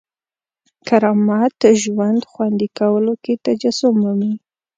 کرامت ژوند خوندي کولو کې تجسم مومي.